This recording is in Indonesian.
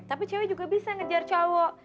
tapi cewek juga bisa ngejar cowok